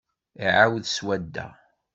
Ɛiwed swadda.